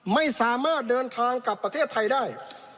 ไม่สามารถเดินทางกลับประเทศไทยได้